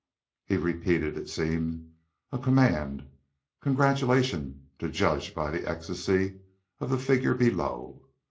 He repeated, it seemed, a command, congratulation, to judge by the ecstasy of the figure below.